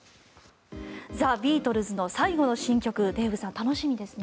ザ・ビートルズの最後の新曲デーブさん、楽しみですね。